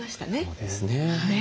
そうですね。